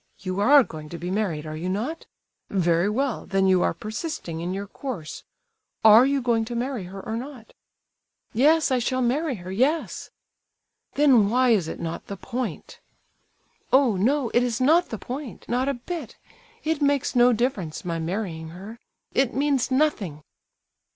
You are going to be married, are you not? Very well, then you are persisting in your course. Are you going to marry her or not?" "Yes, I shall marry her—yes." "Then why is it 'not the point'?" "Oh, no, it is not the point, not a bit. It makes no difference, my marrying her—it means nothing."